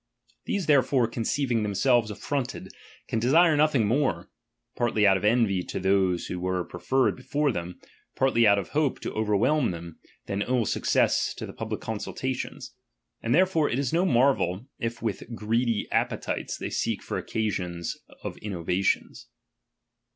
These therefore conceiving themselves affronted, can desire nothing more, partly out of envy to those who were preferred before them, partly out of hope to overwhelm them, than ill success to the public consultations. And therefore it is no marvel, if with greedy ap petites they seek for occasions of innovations.